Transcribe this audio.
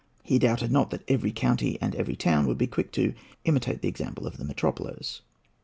He doubted not that every county and every town would be quick to imitate the example of the metropolis.